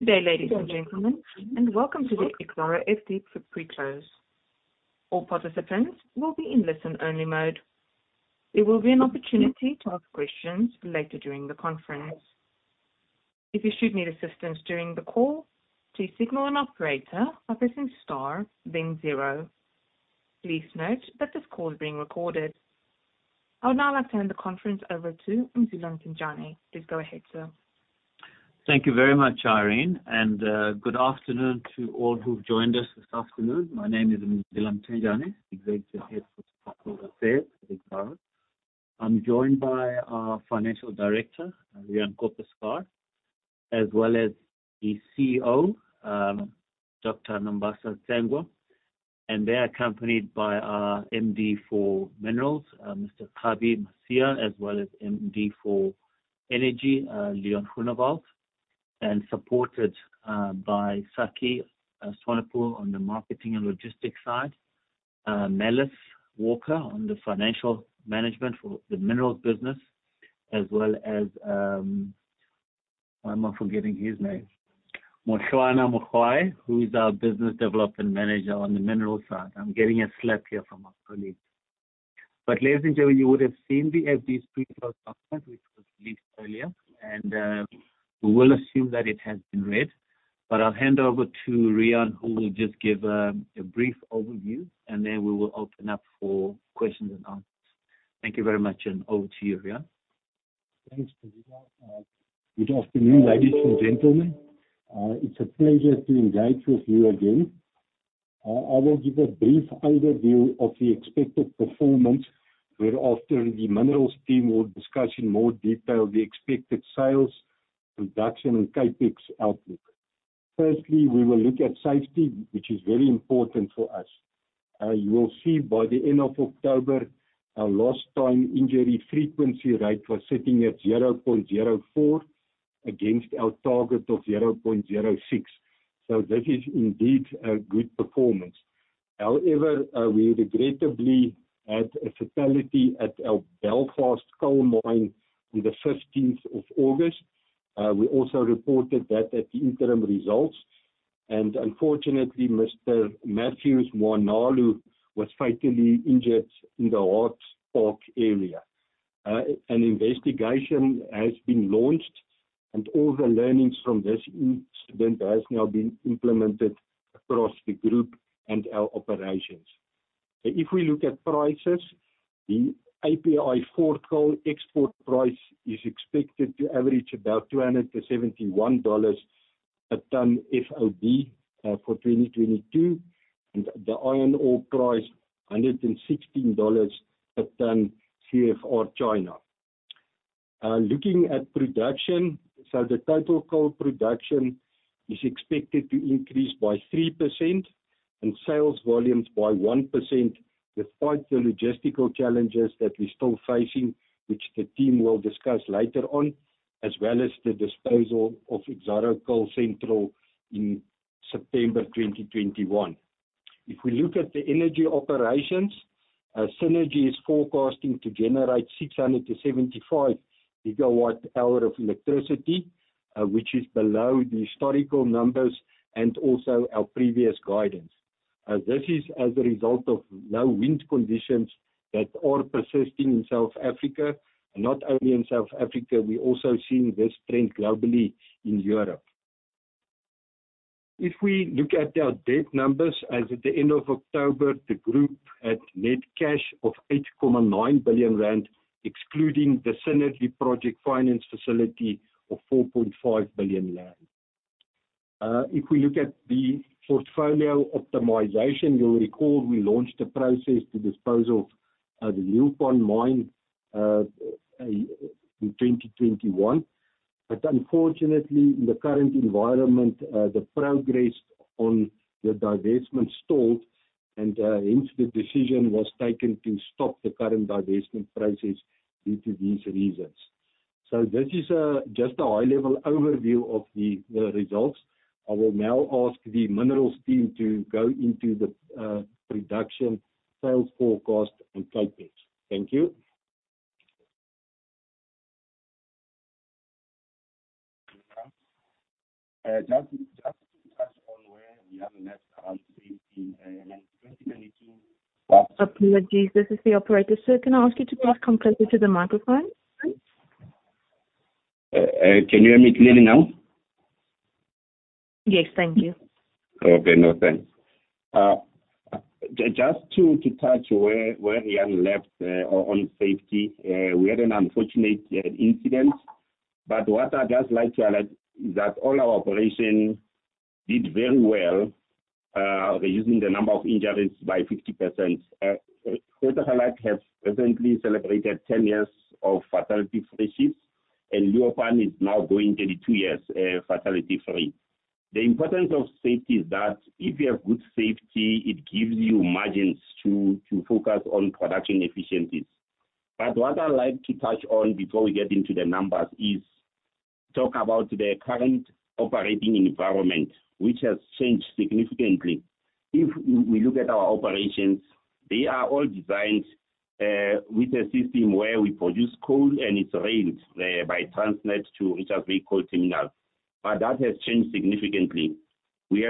Today, ladies and gentlemen, and welcome to the Exxaro Resources Deep for pre-close. All participants will be in listen-only mode. There will be an opportunity to ask questions later during the conference. If you should need assistance during the call, please signal an operator by pressing star, then zero. Please note that this call is being recorded. I would now like to hand the conference over to Mzila Mthenjane. Please go ahead, sir. Thank you very much, Irene, and good afternoon to all who've joined us this afternoon. My name is Mzila Mthenjane, Executive Head for Exxaro Resources. I'm joined by our Financial Director, Riaan Koppeschaar, as well as the CEO, Dr. Nombasa Tsengwa, and they're accompanied by our MD for Minerals, Mr. Kgabi Masia, as well as MD for Energy, Leon Groenewald, and supported by Sakkie Swanepoel on the marketing and logistics side, Mellis Walker on the financial management for the minerals business, as well as—I'm forgetting his name—Mwisho Mokoena, who is our Business Development Manager on the minerals side. I'm getting a slap here from my colleagues. Ladies and gentlemen, you would have seen the Earth Deep pre-closed document, which was released earlier, and we will assume that it has been read. I will hand over to Riaan, who will just give a brief overview, and then we will open up for questions and answers. Thank you very much, and over to you, Riaan. Thanks, Mzila. Good afternoon, ladies and gentlemen. It's a pleasure to invite you here again. I will give a brief overview of the expected performance, whereafter the minerals team will discuss in more detail the expected sales, production, and CapEx outlook. Firstly, we will look at safety, which is very important for us. You will see by the end of October, our lost time injury frequency rate was sitting at 0.04 against our target of 0.06. This is indeed a good performance. However, we regrettably had a fatality at our Belfast coal mine on the 15th of August. We also reported that at the interim results, and unfortunately, Mr. Mathews Moakala was fatally injured in the Haarlem area. An investigation has been launched, and all the learnings from this incident have now been implemented across the group and our operations. If we look at prices, the API 4 coal export price is expected to average about $271 per ton FOB for 2022, and the iron ore price, $116 per ton CFR China. Looking at production, the total coal production is expected to increase by 3% and sales volumes by 1%, despite the logistical challenges that we're still facing, which the team will discuss later on, as well as the disposal of Exxaro Central Coal in September 2021. If we look at the energy operations, Cennergi is forecasting to generate 675 gigawatt-hour of electricity, which is below the historical numbers and also our previous guidance. This is as a result of low wind conditions that are persisting in South Africa, and not only in South Africa, we're also seeing this trend globally in Europe. If we look at our debt numbers, as at the end of October, the group had net cash of 8.9 billion rand, excluding the Cennergi project finance facility of 4.5 billion rand. If we look at the portfolio optimization, you'll recall we launched a process to disposal of the Leeuwpan mine in 2021, but unfortunately, in the current environment, the progress on the divestment stalled, and hence the decision was taken to stop the current divestment process due to these reasons. This is just a high-level overview of the results. I will now ask the minerals team to go into the production, sales forecast, and CapEx. Thank you. Just to touch on where Riaan left around 2015, I mean, 2022. Apologies, this is the operator. Sir, can I ask you to please come closer to the microphone? Can you hear me clearly now? Yes, thank you. Okay, no thanks. Just to touch where Riaan left on safety, we had an unfortunate incident, but what I'd just like to highlight is that all our operations did very well, reducing the number of injuries by 50%. Côte d'Ivoire has recently celebrated 10 years of fatality-free shifts, and Leeuwpan is now going to be two years fatality-free. The importance of safety is that if you have good safety, it gives you margins to focus on production efficiencies. What I'd like to touch on before we get into the numbers is talk about the current operating environment, which has changed significantly. If we look at our operations, they are all designed with a system where we produce coal and it's railed by Transnet to Richards Bay Coal Terminal. That has changed significantly. We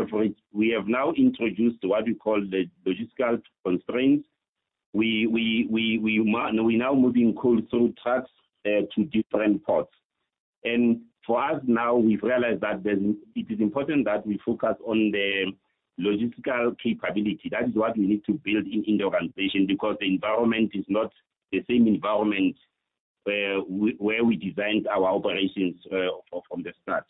have now introduced what we call the logistical constraints. We are now moving coal through trucks to different ports. For us now, we've realized that it is important that we focus on the logistical capability. That is what we need to build in the organization because the environment is not the same environment where we designed our operations from the start.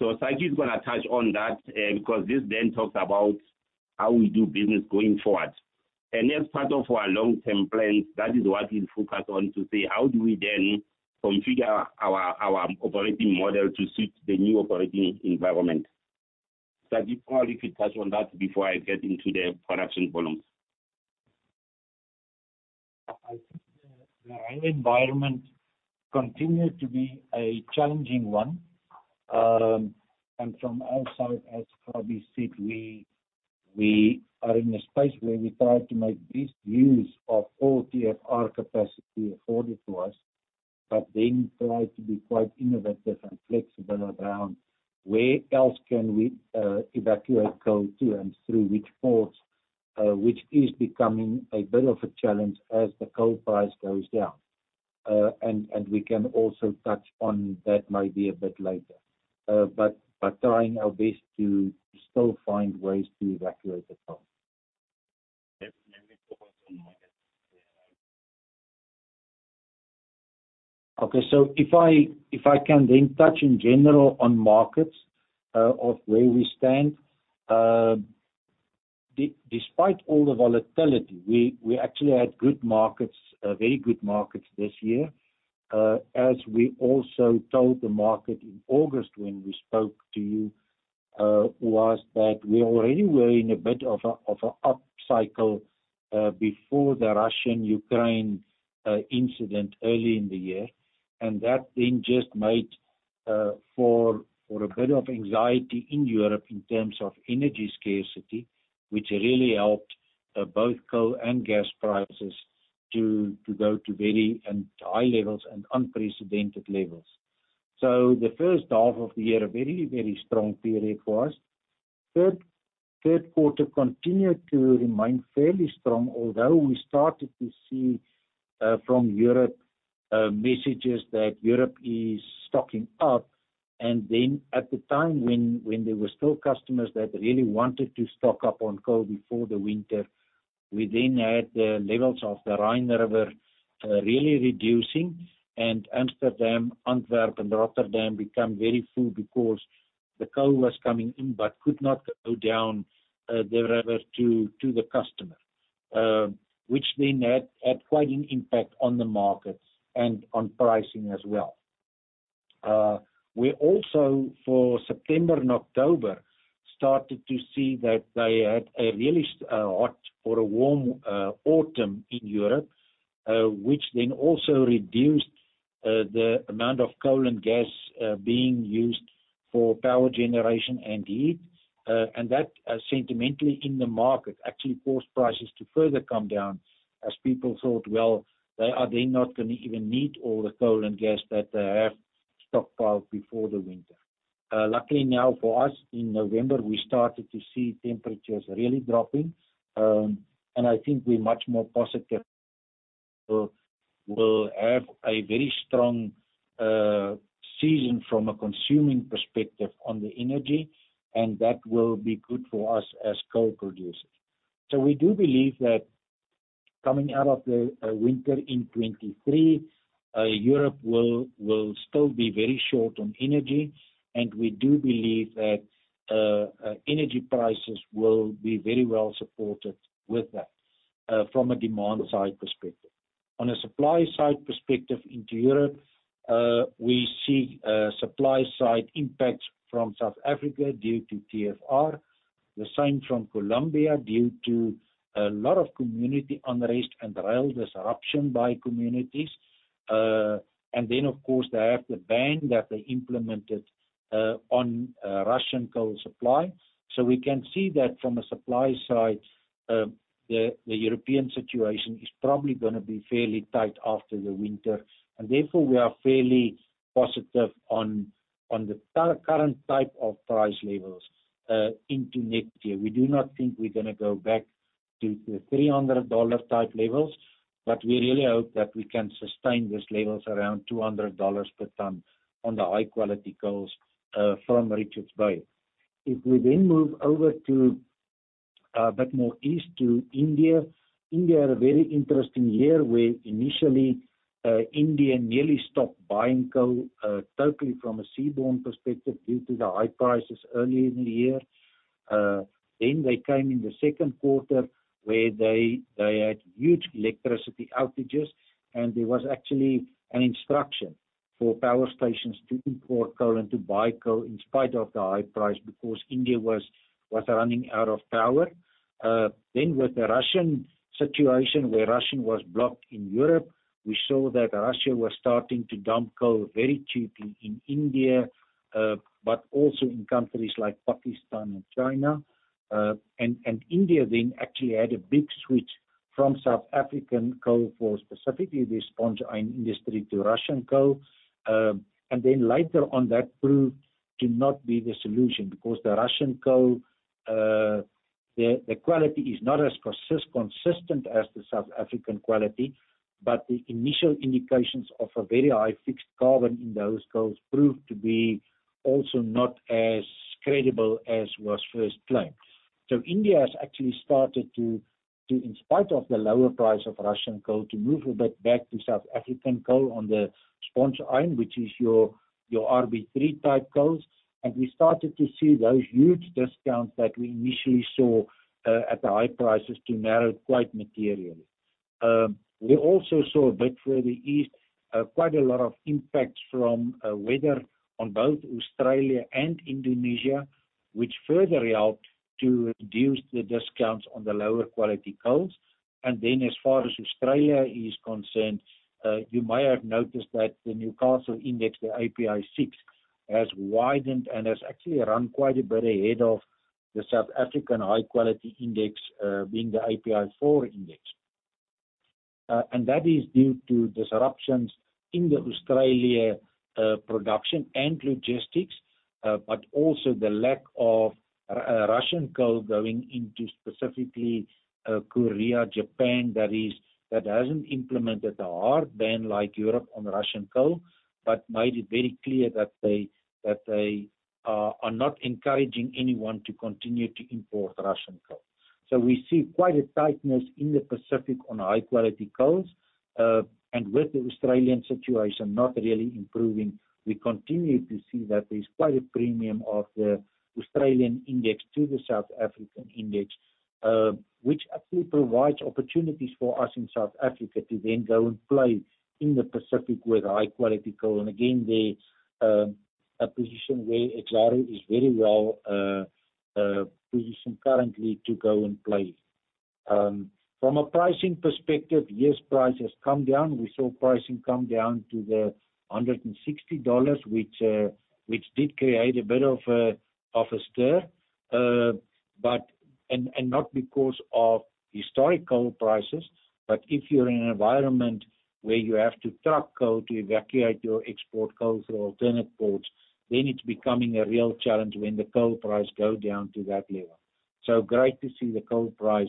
Sakkie is going to touch on that because this then talks about how we do business going forward. As part of our long-term plans, that is what we focus on to see how do we then configure our operating model to suit the new operating environment. Sakkie, probably you could touch on that before I get into the production volumes. I think the environment continues to be a challenging one. From our side, as Kgabi said, we are in a space where we try to make best use of all TFR capacity afforded to us, but then try to be quite innovative and flexible around where else can we evacuate coal to and through which ports, which is becoming a bit of a challenge as the coal price goes down. We can also touch on that maybe a bit later, but trying our best to still find ways to evacuate the coal. Yes, let me focus on my end. Okay, if I can then touch in general on markets of where we stand, despite all the volatility, we actually had good markets, very good markets this year. As we also told the market in August when we spoke to you, was that we already were in a bit of an upcycle before the Russian-Ukraine incident early in the year, and that then just made for a bit of anxiety in Europe in terms of energy scarcity, which really helped both coal and gas prices to go to very high levels and unprecedented levels. The first half of the year, a very, very strong period for us. Third quarter continued to remain fairly strong, although we started to see from Europe messages that Europe is stocking up. At the time when there were still customers that really wanted to stock up on coal before the winter, we then had the levels of the Rhine River really reducing, and Amsterdam, Antwerp, and Rotterdam became very full because the coal was coming in but could not go down the river to the customer, which then had quite an impact on the market and on pricing as well. We also, for September and October, started to see that they had a really hot or a warm autumn in Europe, which then also reduced the amount of coal and gas being used for power generation and heat. That sentimentally in the market actually caused prices to further come down as people thought, "Well, they are then not going to even need all the coal and gas that they have stockpiled before the winter." Luckily now for us, in November, we started to see temperatures really dropping, and I think we're much more positive we'll have a very strong season from a consuming perspective on the energy, and that will be good for us as coal producers. We do believe that coming out of the winter in 2023, Europe will still be very short on energy, and we do believe that energy prices will be very well supported with that from a demand side perspective. On a supply side perspective into Europe, we see supply side impacts from South Africa due to TFR, the same from Colombia due to a lot of community unrest and the rail disruption by communities. Of course, they have the ban that they implemented on Russian coal supply. We can see that from a supply side, the European situation is probably going to be fairly tight after the winter, and therefore we are fairly positive on the current type of price levels into next year. We do not think we're going to go back to the $300 type levels, but we really hope that we can sustain these levels around $200 per ton on the high-quality coals from Richards Bay. If we then move over to a bit more east to India, India had a very interesting year where initially India nearly stopped buying coal totally from a seaborne perspective due to the high prices earlier in the year. Then they came in the second quarter where they had huge electricity outages, and there was actually an instruction for power stations to import coal and to buy coal in spite of the high price because India was running out of power. With the Russian situation where Russia was blocked in Europe, we saw that Russia was starting to dump coal very cheaply in India, but also in countries like Pakistan and China. India then actually had a big switch from South African coal for specifically the sponge iron industry to Russian coal, and then later on that proved to not be the solution because the Russian coal, the quality is not as consistent as the South African quality, but the initial indications of a very high fixed carbon in those coals proved to be also not as credible as was first claimed. India has actually started to, in spite of the lower price of Russian coal, to move a bit back to South African coal on the sponge iron, which is your RB3 type coals, and we started to see those huge discounts that we initially saw at the high prices to narrow quite materially. We also saw a bit further east, quite a lot of impacts from weather on both Australia and Indonesia, which further helped to reduce the discounts on the lower quality coals. As far as Australia is concerned, you might have noticed that the Newcastle index, the API 6, has widened and has actually run quite a bit ahead of the South African high-quality index being the API 4 index. That is due to disruptions in the Australia production and logistics, but also the lack of Russian coal going into specifically Korea, Japan that has not implemented the hard ban like Europe on Russian coal, but made it very clear that they are not encouraging anyone to continue to import Russian coal. We see quite a tightness in the Pacific on high-quality coals, and with the Australian situation not really improving, we continue to see that there's quite a premium of the Australian index to the South African index, which actually provides opportunities for us in South Africa to then go and play in the Pacific with high-quality coal. Again, the position where Exxaro is very well positioned currently to go and play. From a pricing perspective, yes, price has come down. We saw pricing come down to the $160, which did create a bit of a stir, and not because of historical prices, but if you're in an environment where you have to truck coal to evacuate your export coal through alternate ports, then it's becoming a real challenge when the coal price goes down to that level. is great to see the coal price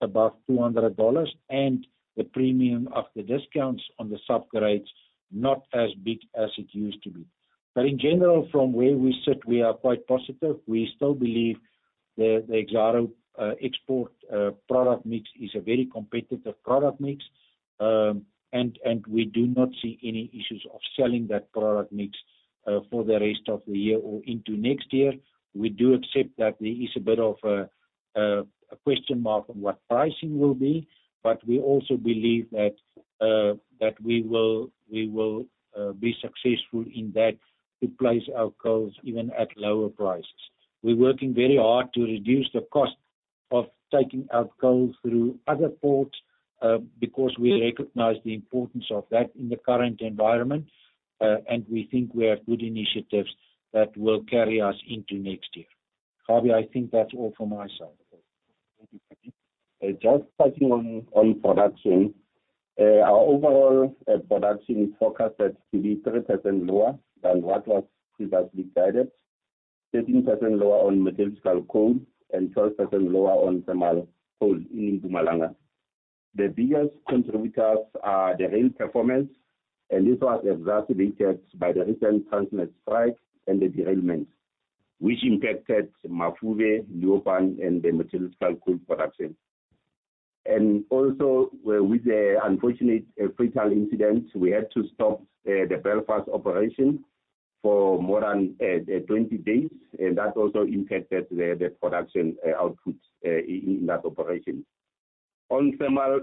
above $200 and the premium or the discounts on the subgrades not as big as it used to be. In general, from where we sit, we are quite positive. We still believe the Exxaro export product mix is a very competitive product mix, and we do not see any issues of selling that product mix for the rest of the year or into next year. We do accept that there is a bit of a question mark on what pricing will be, but we also believe that we will be successful in that to place our coals even at lower prices. We are working very hard to reduce the cost of taking out coal through other ports because we recognize the importance of that in the current environment, and we think we have good initiatives that will carry us into next year. Kgabi, I think that's all from my side. Just touching on production, our overall production focus at 33% lower than what was previously guided, 13% lower on metallurgical coal, and 12% lower on thermal coal in Mpumalanga. The biggest contributors are the rail performance, and this was exacerbated by the recent Transnet strike and the derailment, which impacted Mafube, Leeuwpan, and the metallurgical coal production. Also, with the unfortunate fatal incident, we had to stop the Belfast operation for more than 20 days, and that also impacted the production output in that operation. On thermal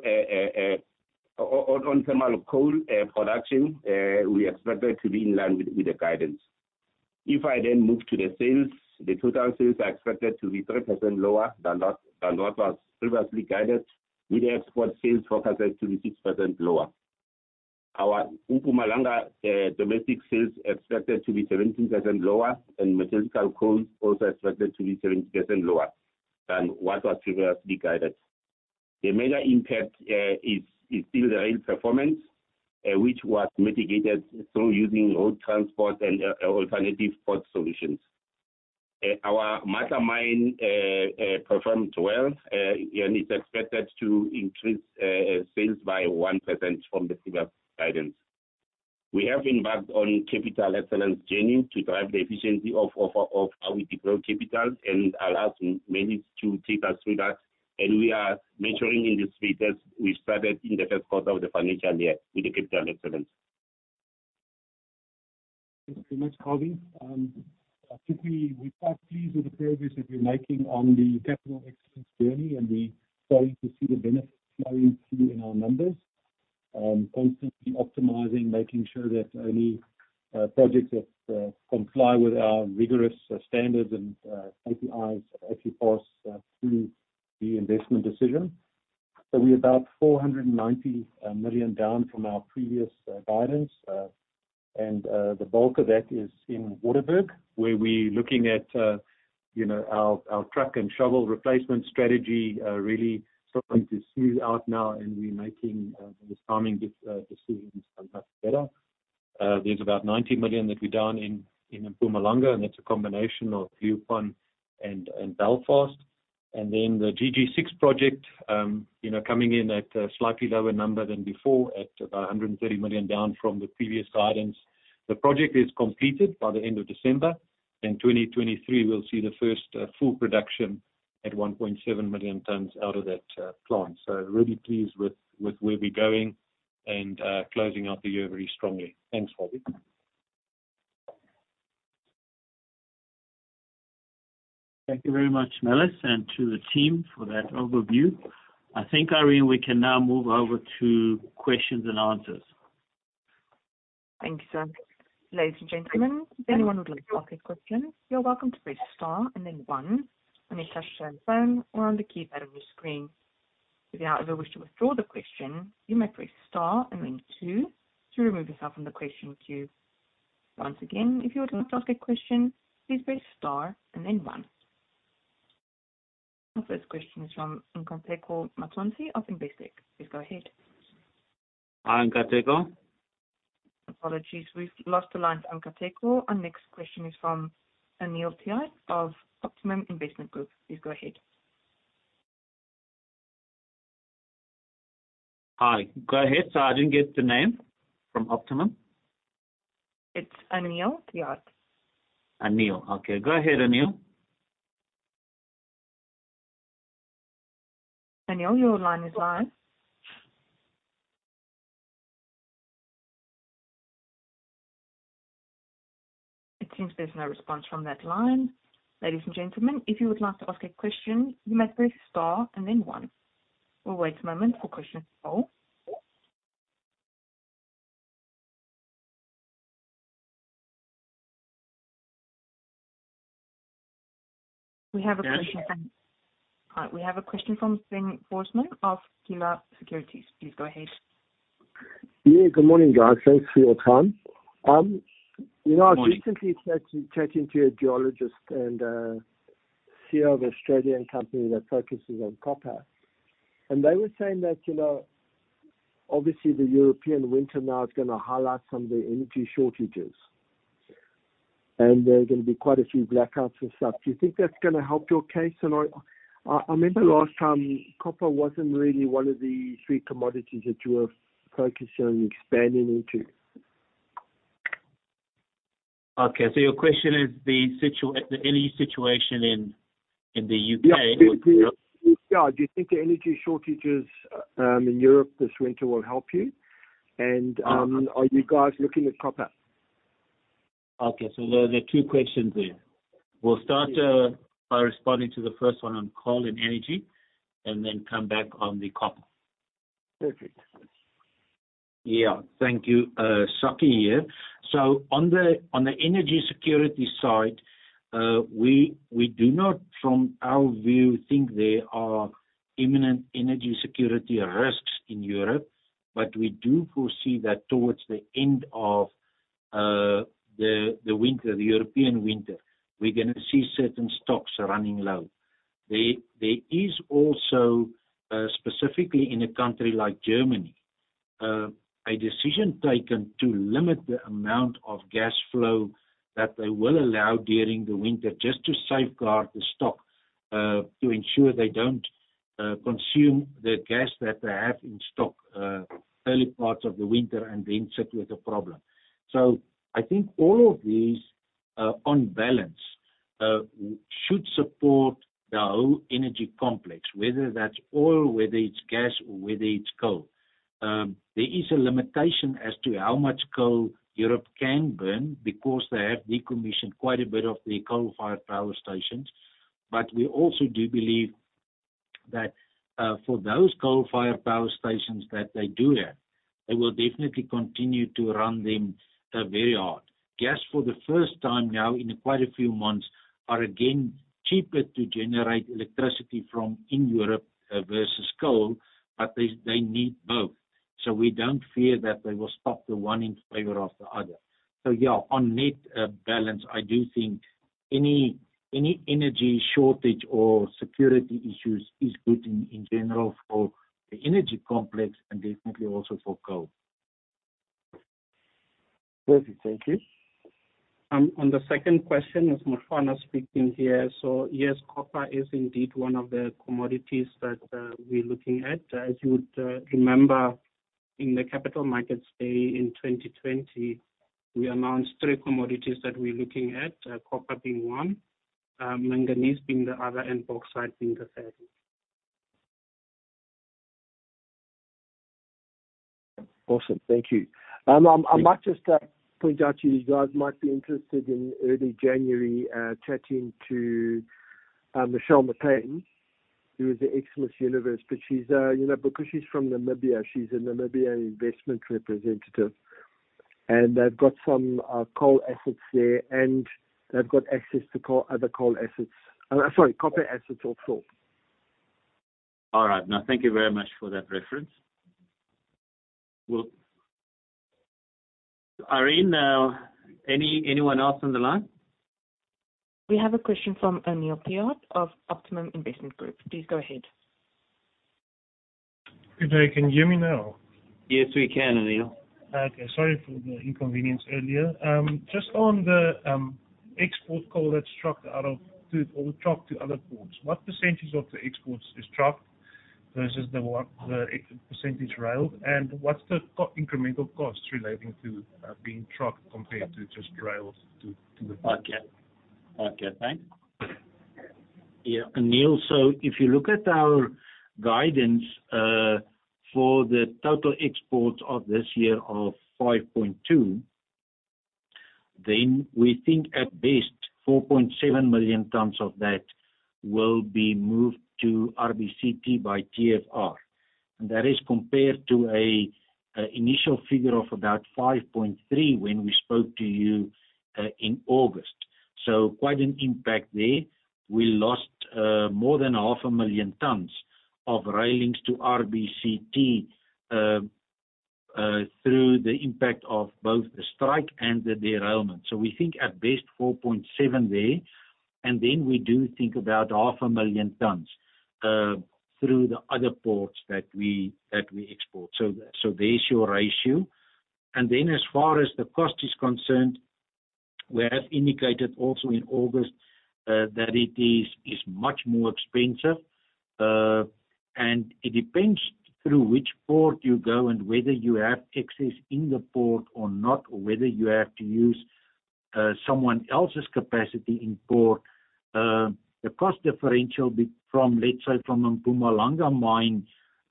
coal production, we expected to be in line with the guidance. If I then move to the sales, the total sales are expected to be 3% lower than what was previously guided, with the export sales focused at 26% lower. Our Mpumalanga domestic sales are expected to be 17% lower, and metallurgical coals also expected to be 17% lower than what was previously guided. The major impact is still the rail performance, which was mitigated through using road transport and alternative port solutions. Our Matla mine performed well, and it is expected to increase sales by 1% from the previous guidance. We have embarked on capital excellence journey to drive the efficiency of how we deploy capital, and I will ask Mellis to take us through that. We are measuring in this week as we started in the first quarter of the financial year with the capital excellence. Thank you very much, Kgabi. I think we're quite pleased with the progress that we're making on the capital excellence journey, and we're starting to see the benefits flowing through in our numbers. Constantly optimizing, making sure that any projects that comply with our rigorous standards and KPIs actually pass through the investment decision. We are about 490 million down from our previous guidance, and the bulk of that is in Waterberg, where we're looking at our truck and shovel replacement strategy really starting to smooth out now, and we're making those farming decisions much better. There is about 90 million that we're down in Mpumalanga, and that's a combination of Leeuwpan and Belfast. The GG6 project is coming in at a slightly lower number than before at about 130 million down from the previous guidance. The project is completed by the end of December, and 2023 we'll see the first full production at 1.7 million tons out of that plant. Really pleased with where we're going and closing out the year very strongly. Thanks, Kgabi. Thank you very much, Melis, and to the team for that overview. I think, Irene, we can now move over to questions and answers. Thank you, sir. Ladies and gentlemen, if anyone would like to ask a question, you're welcome to press Star and then 1, and you can share your phone or on the keypad of your screen. If you wish to withdraw the question, you may press Star and then 2 to remove yourself from the question queue. Once again, if you would like to ask a question, please press Star and then 1. Our first question is from Nkateko Mathonsi of Investec. Please go ahead. Hi, [Nkateko]. Apologies, we've lost the line to Nkateko Mathonsi. Our next question is from Anil Tayob of Optimum Investment Group. Please go ahead. Hi, go ahead. I did not get the name from Optimum. It's Anil Tayob. Anil. Okay, go ahead, Anil. Anil, your line is live. It seems there's no response from that line. Ladies and gentlemen, if you would like to ask a question, you may press Star and then 1. We'll wait a moment for questions to go. We have a question from. Yes, ma'am. All right. We have a question from Zeng Forsman of Kgila Securities. Please go ahead. Yes, good morning, guys. Thanks for your time. I was recently chatting to a geologist and CEO of an Australian company that focuses on copper, and they were saying that obviously the European winter now is going to highlight some of the energy shortages, and there are going to be quite a few blackouts and stuff. Do you think that's going to help your case? I remember last time copper wasn't really one of the three commodities that you were focusing on expanding into. Okay, so your question is the energy situation in the U.K.? Yes, it is. Yeah, do you think the energy shortages in Europe this winter will help you? Are you guys looking at copper? Okay, so there are two questions there. We'll start by responding to the first one on coal and energy and then come back on the copper. Perfect. Yeah, thank you, Sakkie. On the energy security side, we do not, from our view, think there are imminent energy security risks in Europe, but we do foresee that towards the end of the winter, the European winter, we're going to see certain stocks running low. There is also, specifically in a country like Germany, a decision taken to limit the amount of gas flow that they will allow during the winter just to safeguard the stock to ensure they don't consume the gas that they have in stock early parts of the winter and then sit with a problem. I think all of these, on balance, should support the whole energy complex, whether that's oil, whether it's gas, or whether it's coal. There is a limitation as to how much coal Europe can burn because they have decommissioned quite a bit of their coal-fired power stations, but we also do believe that for those coal-fired power stations that they do have, they will definitely continue to run them very hard. Gas, for the first time now in quite a few months, is again cheaper to generate electricity from in Europe versus coal, but they need both. We do not fear that they will stop the one in favor of the other. On net balance, I do think any energy shortage or security issues is good in general for the energy complex and definitely also for coal. Perfect, [thank you.] On the second question, it's Mvuleni speaking here. Yes, copper is indeed one of the commodities that we're looking at. As you would remember, in the capital markets day in 2020, we announced three commodities that we're looking at, copper being one, manganese being the other, and bauxite being the third. Awesome, thank you. I might just point out to you, you guys might be interested in early January chatting to Michelle Mthenjane, who is at ExxonMobil University. Because she's from Namibia, she's a Namibia investment representative, and they've got some coal assets there, and they've got access to other coal assets—sorry, copper assets also. All right, no, thank you very much for that reference. Irene, anyone else on the line? We have a question from Anil Tayob of Optimum Investment Group. Please go ahead. Good day, can you hear me now? Yes, we can, Anil. Okay, sorry for the inconvenience earlier. Just on the export coal that's trucked out of—or trucked to other ports, what percentage of the exports is trucked versus the percentage railed? And what's the incremental cost relating to being trucked compared to just railed to the port? Okay, okay, thanks. Yeah, Anil, so if you look at our guidance for the total exports of this year of 5.2, then we think at best 4.7 million tons of that will be moved to RBCT by TFR. That is compared to an initial figure of about 5.3 when we spoke to you in August. Quite an impact there. We lost more than 500,000 tons of railings to RBCT through the impact of both the strike and the derailment. We think at best 4.7 there, and then we do think about 500,000 tons through the other ports that we export. There is your ratio. As far as the cost is concerned, we have indicated also in August that it is much more expensive, and it depends through which port you go and whether you have access in the port or not, or whether you have to use someone else's capacity in port. The cost differential from, let's say, from a Mpumalanga mine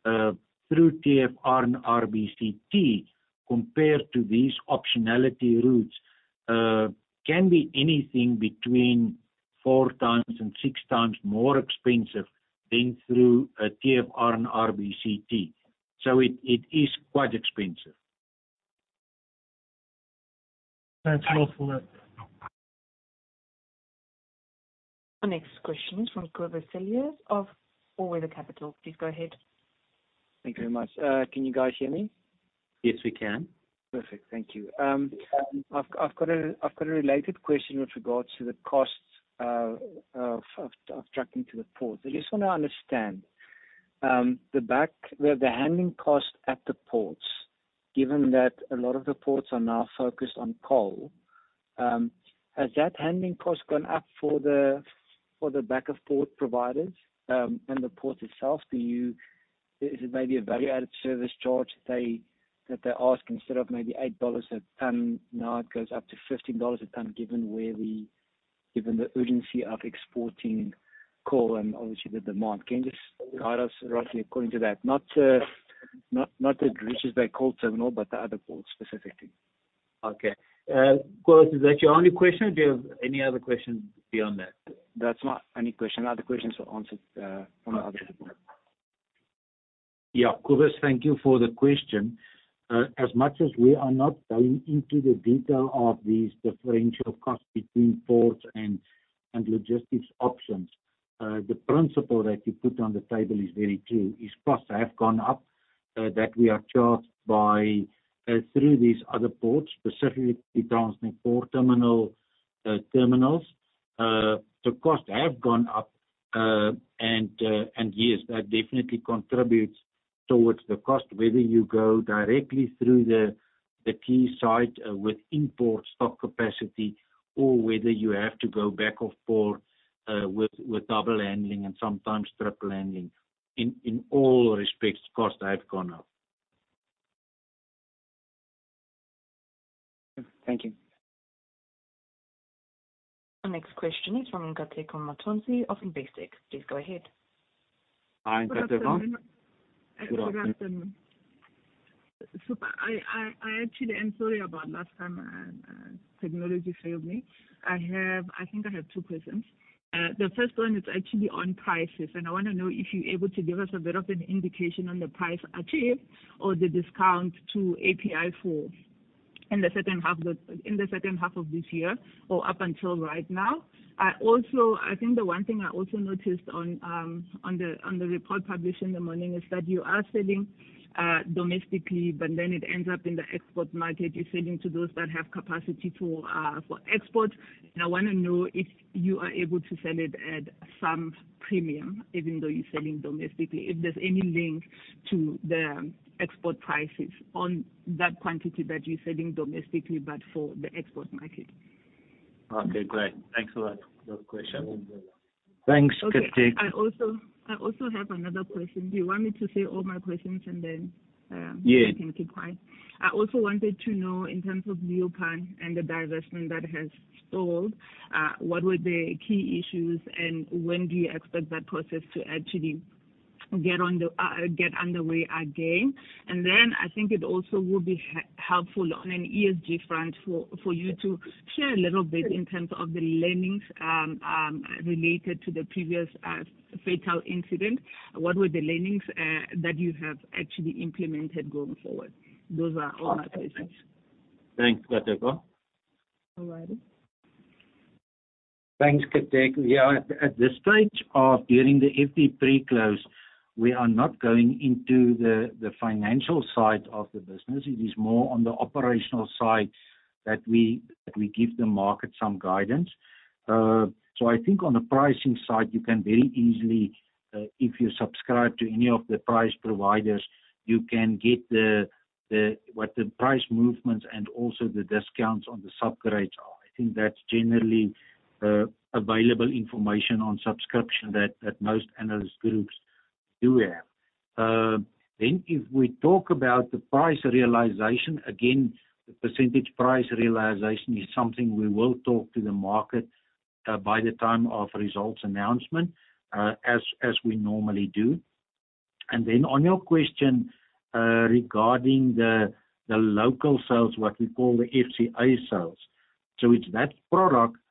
through TFR and RBCT compared to these optionality routes can be anything between four times and six times more expensive than through TFR and RBCT. It is quite expensive. Thanks a lot for that. Our next question is from Kgabi Masia of All Weather Capital. Please go ahead. Thank you very much. Can you guys hear me? Yes, we can. Perfect, thank you. I've got a related question with regards to the costs of trucking to the port. I just want to understand the handling cost at the ports, given that a lot of the ports are now focused on coal. Has that handling cost gone up for the back-of-port providers and the port itself? Is it maybe a value-added service charge that they ask instead of maybe $8 a ton? Now it goes up to $15 a ton, given the urgency of exporting coal and obviously the demand. Can you just guide us roughly according to that? Not the Richards Bay Coal Terminal, but the other ports specifically. Okay. Kgabi, is that your only question, or do you have any other questions beyond that? That's my only question. Other questions are answered from the other people. Yeah, Kgabi, thank you for the question. As much as we are not going into the detail of these differential costs between ports and logistics options, the principle that you put on the table is very true. If costs have gone up, that we are charged by through these other ports, specifically transiting port terminals, the costs have gone up, and yes, that definitely contributes towards the cost, whether you go directly through the quayside with import stock capacity or whether you have to go back-of-port with double handling and sometimes triple handling. In all respects, costs have gone up. Thank you. Our next question is from Nkateko Mathonsi of Investec. Please go ahead. Hi, Inkateqon. Super. I actually am sorry about last time technology failed me. I think I have two questions. The first one is actually on prices, and I want to know if you're able to give us a bit of an indication on the price achieved or the discount to API 4 in the second half of this year or up until right now. Also, I think the one thing I also noticed on the report published in the morning is that you are selling domestically, but then it ends up in the export market. You're selling to those that have capacity for export. I want to know if you are able to sell it at some premium, even though you're selling domestically, if there's any link to the export prices on that quantity that you're selling domestically but for the export market. Okay, great. Thanks a lot. That was a great question. Thanks, Kgabi Masia. I also have another question. Do you want me to say all my questions and then we can keep going? Yes. I also wanted to know, in terms of Leeuwpan and the divestment that has stalled, what were the key issues and when do you expect that process to actually get underway again? I think it also will be helpful on an ESG front for you to share a little bit in terms of the learnings related to the previous fatal incident. What were the learnings that you have actually implemented going forward? Those are all my questions. Thanks, Inkateqon. All righty. Thanks, Kgabi Mthenjane. Yeah, at this stage of during the FDP close, we are not going into the financial side of the business. It is more on the operational side that we give the market some guidance. I think on the pricing side, you can very easily, if you subscribe to any of the price providers, you can get what the price movements and also the discounts on the subgrades are. I think that's generally available information on subscription that most analyst groups do have. If we talk about the price realization, again, the percentage price realization is something we will talk to the market by the time of results announcement, as we normally do. On your question regarding the local sales, what we call the FCA sales, it is that product, a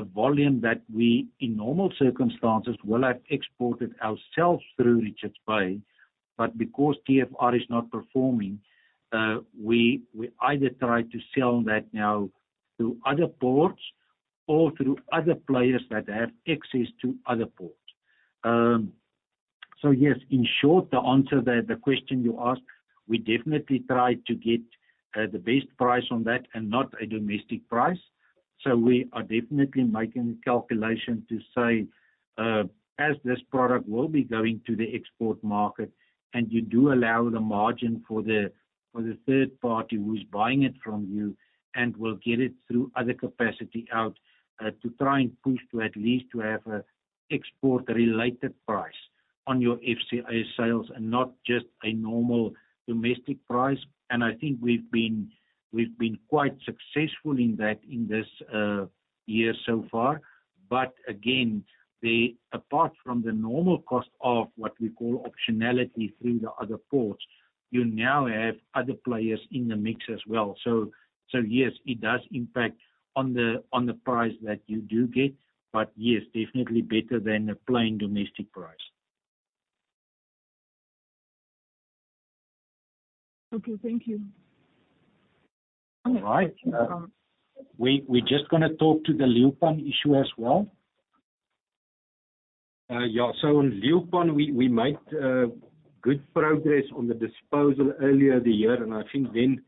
volume that we in normal circumstances would have exported ourselves through Richards Bay, but because TFR is not performing, we either try to sell that now through other ports or through other players that have access to other ports. Yes, in short, the answer to the question you asked, we definitely try to get the best price on that and not a domestic price. We are definitely making a calculation to say, as this product will be going to the export market and you do allow the margin for the third party who is buying it from you and will get it through other capacity out to try and push to at least have an export-related price on your FCA sales and not just a normal domestic price. I think we've been quite successful in that in this year so far. Again, apart from the normal cost of what we call optionality through the other ports, you now have other players in the mix as well. Yes, it does impact on the price that you do get, but yes, definitely better than a plain domestic price. Okay, thank you. All right. We're just going to talk to the Leeuwpan issue as well. Yeah, so on Leeuwpan, we made good progress on the disposal earlier this year, and I think then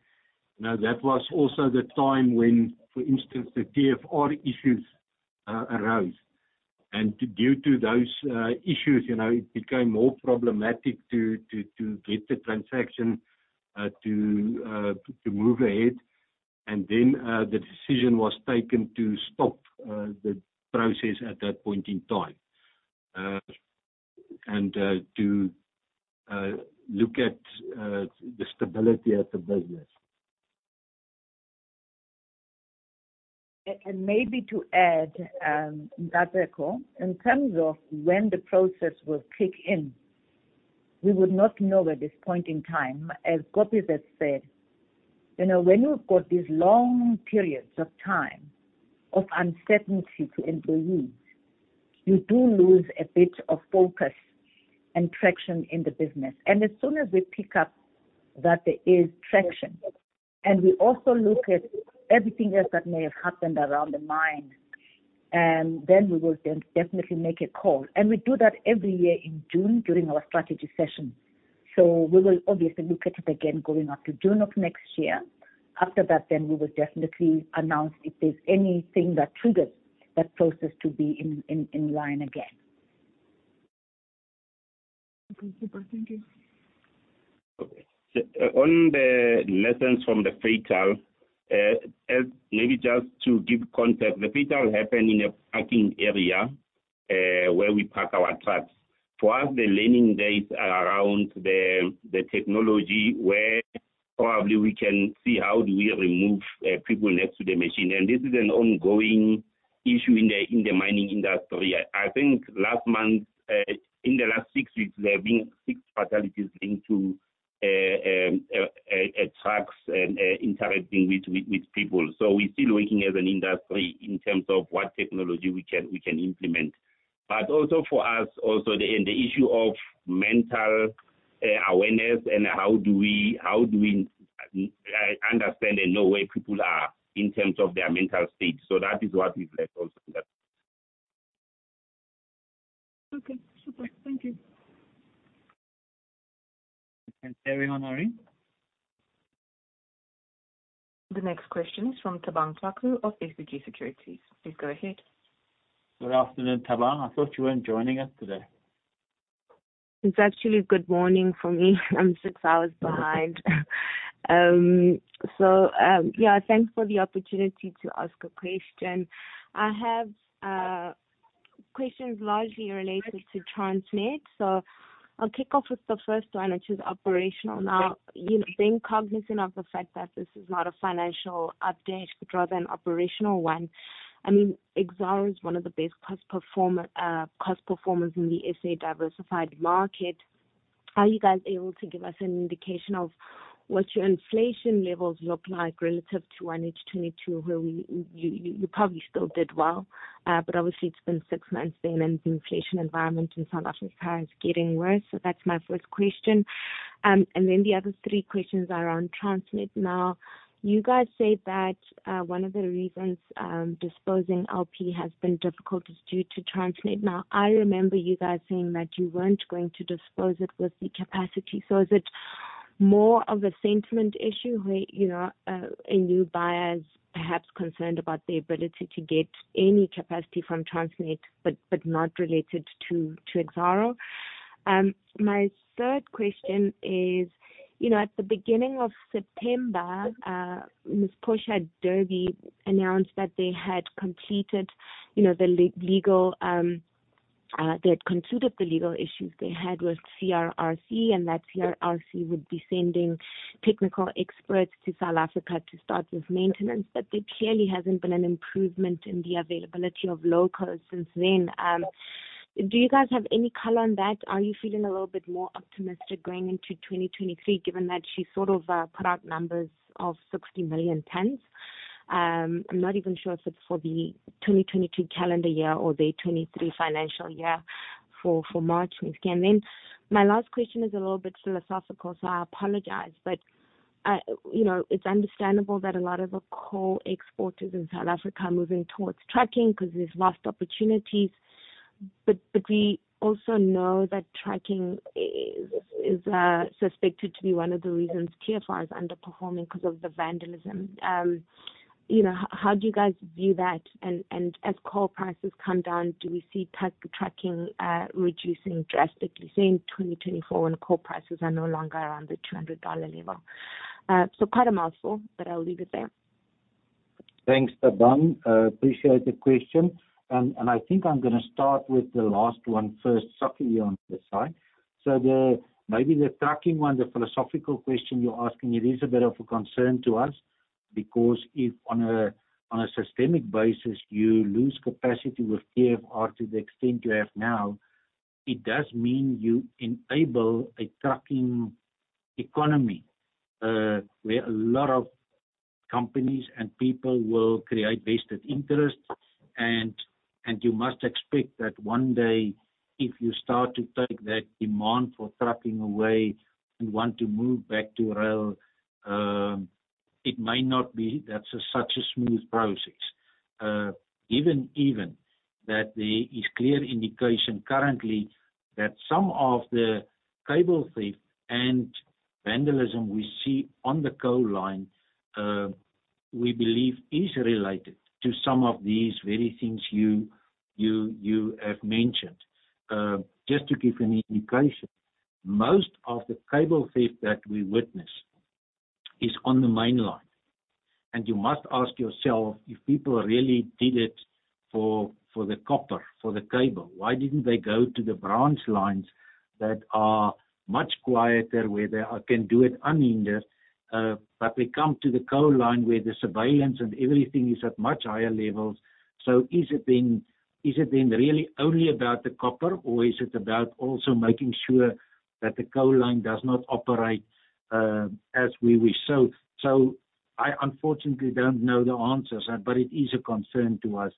that was also the time when, for instance, the TFR issues arose. Due to those issues, it became more problematic to get the transaction to move ahead. The decision was taken to stop the process at that point in time and to look at the stability of the business. Maybe to add, Inkateko, in terms of when the process will kick in, we would not know at this point in time. As Kgabi Masia said, when you've got these long periods of time of uncertainty to employees, you do lose a bit of focus and traction in the business. As soon as we pick up that there is traction and we also look at everything else that may have happened around the mine, we will definitely make a call. We do that every year in June during our strategy session. We will obviously look at it again going up to June of next year. After that, we will definitely announce if there's anything that triggers that process to be in line again. Okay, super. Thank you. Okay. On the lessons from the fatale, maybe just to give context, the fatale happened in a parking area where we park our trucks. For us, the learning days are around the technology where probably we can see how do we remove people next to the machine. This is an ongoing issue in the mining industry. I think last month, in the last six weeks, there have been six fatalities linked to trucks interacting with people. We are still working as an industry in terms of what technology we can implement. For us, also the issue of mental awareness and how do we understand and know where people are in terms of their mental state. That is what we have left also in that. Okay, super. Thank you. Thanks, Riaan, Ari. The next question is from Thabang Thlaku of SBG Securities. Please go ahead. Good afternoon, Thabang. I thought you weren't joining us today. It's actually good morning for me. I'm six hours behind. Yeah, thanks for the opportunity to ask a question. I have questions largely related to Transnet. I'll kick off with the first one, which is operational. Now, being cognizant of the fact that this is not a financial update rather than an operational one, I mean, Exxaro is one of the best cost performers in the SA diversified market. Are you guys able to give us an indication of what your inflation levels look like relative to 1H2022, where you probably still did well? Obviously, it's been six months there, and the inflation environment in South Africa is getting worse. That's my first question. The other three questions are on Transnet. You guys say that one of the reasons disposing LP has been difficult is due to Transnet. Now, I remember you guys saying that you weren't going to dispose it with the capacity. Is it more of a sentiment issue where a new buyer is perhaps concerned about the ability to get any capacity from Transnet but not related to Exxaro? My third question is, at the beginning of September, Ms. Portia Derby announced that they had completed the legal—they had concluded the legal issues they had with CRRC, and that CRRC would be sending technical experts to South Africa to start with maintenance. There clearly hasn't been an improvement in the availability of locals since then. Do you guys have any color on that? Are you feeling a little bit more optimistic going into 2023, given that she sort of put out numbers of 60 million tons? I'm not even sure if it's for the 2022 calendar year or the 2023 financial year for March and scan. Then my last question is a little bit philosophical, so I apologize, but it's understandable that a lot of the coal exporters in South Africa are moving towards trucking because they've lost opportunities. We also know that trucking is suspected to be one of the reasons TFR is underperforming because of the vandalism. How do you guys view that? As coal prices come down, do we see trucking reducing drastically, say in 2024, when coal prices are no longer around the $200 level? Quite a mouthful, but I'll leave it there. Thanks, Thabang. Appreciate the question. I think I'm going to start with the last one first, Sakkie on this side. Maybe the trucking one, the philosophical question you're asking, it is a bit of a concern to us because if on a systemic basis you lose capacity with TFR to the extent you have now, it does mean you enable a trucking economy where a lot of companies and people will create vested interests. You must expect that one day, if you start to take that demand for trucking away and want to move back to rail, it may not be such a smooth process. Even that there is clear indication currently that some of the cable theft and vandalism we see on the coal line, we believe, is related to some of these very things you have mentioned. Just to give an indication, most of the cable theft that we witness is on the main line. You must ask yourself if people really did it for the copper, for the cable. Why did they not go to the branch lines that are much quieter, where they can do it unhindered? We come to the coal line where the surveillance and everything is at much higher levels. Is it then really only about the copper, or is it about also making sure that the coal line does not operate as we wish? I unfortunately do not know the answers, but it is a concern to us,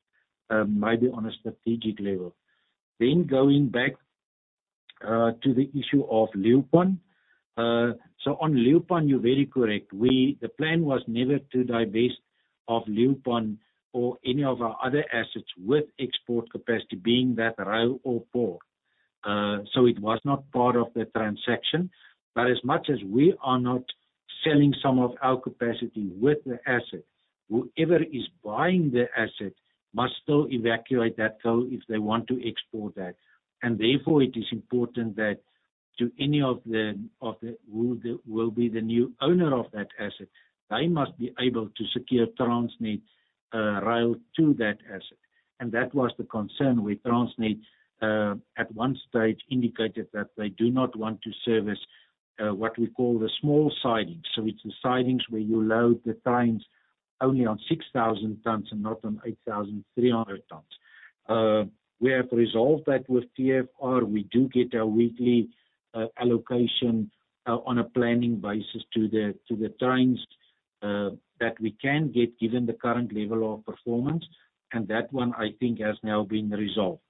maybe on a strategic level. Going back to the issue of Leeuwpan. On Leeuwpan, you are very correct. The plan was never to divest of Leeuwpan or any of our other assets with export capacity, being that rail or port. It was not part of the transaction. As much as we are not selling some of our capacity with the asset, whoever is buying the asset must still evacuate that coal if they want to export that. Therefore, it is important that to any of the who will be the new owner of that asset, they must be able to secure Transnet rail to that asset. That was the concern where Transnet at one stage indicated that they do not want to service what we call the small sidings. It is the sidings where you load the trains only on 6,000 tons and not on 8,300 tons. We have resolved that with TFR. We do get a weekly allocation on a planning basis to the trains that we can get given the current level of performance. That one, I think, has now been resolved.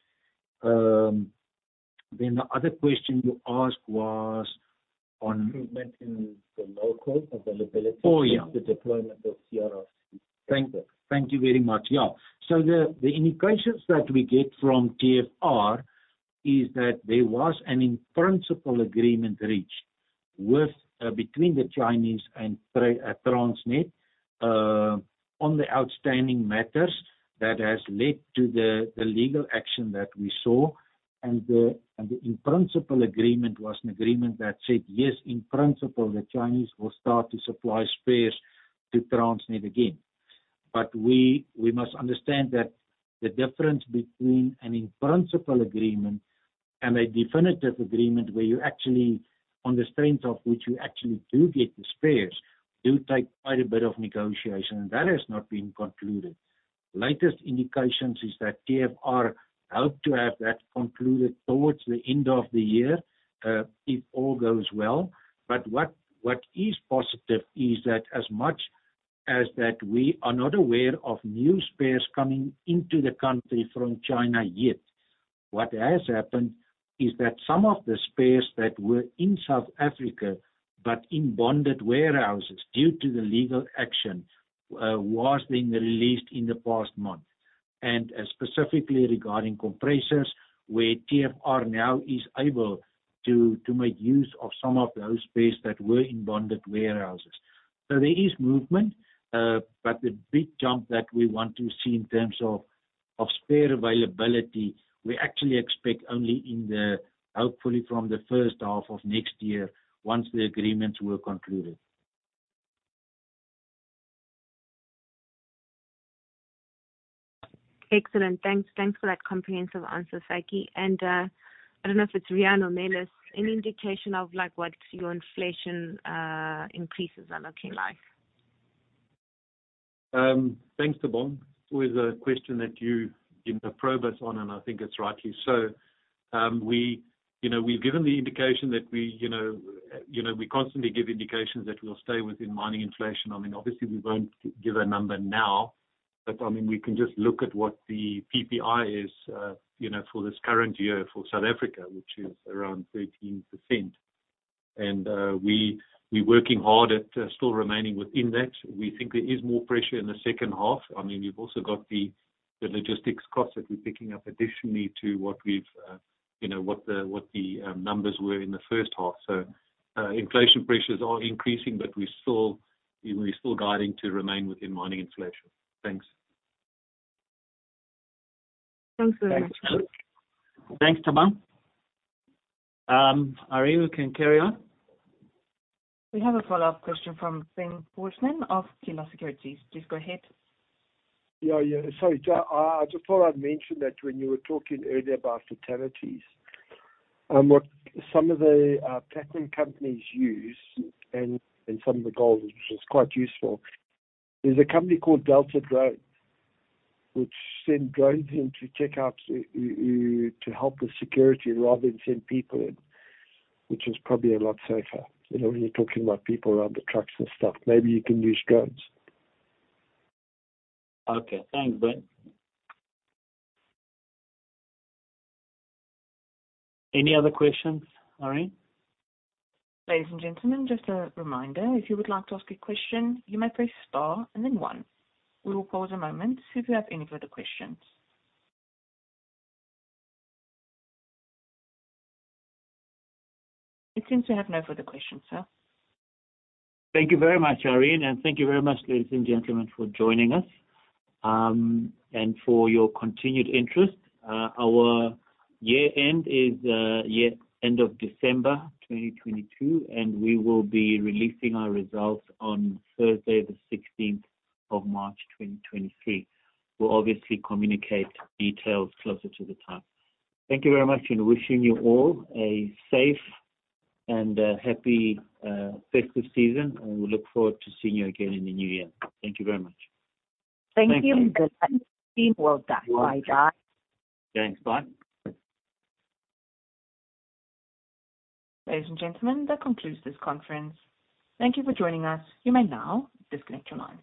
The other question you asked was on improvement in the local availability of the deployment of CRRC. Thank you. Thank you very much. Yeah. The indications that we get from TFR is that there was an in-principle agreement reached between the Chinese and Transnet on the outstanding matters that has led to the legal action that we saw. The in-principle agreement was an agreement that said, yes, in principle, the Chinese will start to supply spares to Transnet again. We must understand that the difference between an in-principle agreement and a definitive agreement, where you actually, on the strength of which you actually do get the spares, do take quite a bit of negotiation, and that has not been concluded. Latest indications is that TFR hope to have that concluded towards the end of the year if all goes well. What is positive is that as much as we are not aware of new spares coming into the country from China yet, what has happened is that some of the spares that were in South Africa but in bonded warehouses due to the legal action were then released in the past month. Specifically regarding compressors, TFR now is able to make use of some of those spares that were in bonded warehouses. There is movement, but the big jump that we want to see in terms of spare availability, we actually expect only, hopefully, from the first half of next year once the agreements were concluded. Excellent. Thanks. Thanks for that comprehensive answer, Sakkie. I don't know if it's Riaan or Mellis. Any indication of what your inflation increases are looking like? Thanks, Tabang. It was a question that you probe us on, and I think it's rightly so. We've given the indication that we constantly give indications that we'll stay within mining inflation. I mean, obviously, we won't give a number now, but I mean, we can just look at what the PPI is for this current year for South Africa, which is around 13%. And we're working hard at still remaining within that. We think there is more pressure in the second half. I mean, we've also got the logistics costs that we're picking up additionally to what we've what the numbers were in the first half. Inflation pressures are increasing, but we're still guiding to remain within mining inflation. Thanks. Thanks very much. Thanks, Tabang. Ari, you can carry on. We have a follow-up question from Finn Walshman of Kgila Securities. Please go ahead. Yeah, yeah. Sorry. I just thought I'd mention that when you were talking earlier about fatalities, some of the platform companies use and some of the goals, which is quite useful. There's a company called Delta Drone, which sends drones in to check out to help with security rather than send people in, which is probably a lot safer when you're talking about people around the trucks and stuff. Maybe you can use drones. Okay. Thanks, Ben. Any other questions, Ari? Ladies and gentlemen, just a reminder, if you would like to ask a question, you may press star and then one. We will pause a moment to see if we have any further questions. It seems we have no further questions, sir. Thank you very much, Arian. Thank you very much, ladies and gentlemen, for joining us and for your continued interest. Our year-end is year-end of December 2022, and we will be releasing our results on Thursday, the 16th of March 2023. We will obviously communicate details closer to the time. Thank you very much, and wishing you all a safe and happy festive season. We look forward to seeing you again in the new year. Thank you very much. Thank you. Thank you. Thank you. Well done. Bye, guys. Thanks. Bye. Ladies and gentlemen, that concludes this conference. Thank you for joining us. You may now disconnect your lines.